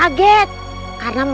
karena mencari aku tidak bisa mencarimu